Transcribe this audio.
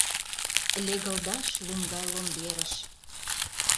Легылдаш лум гай ломберыш.